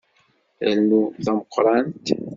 Rnu tameqqrant.